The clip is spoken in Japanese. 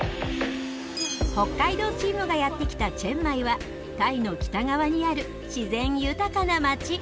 北海道チームがやって来たチェンマイはタイの北側にある自然豊かなまち。